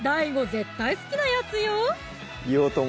絶対好きなやつよ